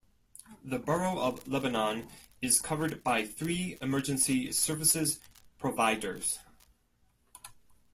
The Borough of Lebanon is covered by three emergency services providers.